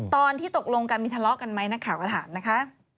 ตอนที่ตกลงกันมีทะเลาะกันไหมนะข่าวอาหารนะคะ